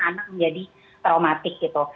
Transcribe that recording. anak menjadi traumatik gitu